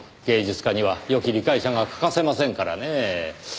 芸術家にはよき理解者が欠かせませんからねぇ。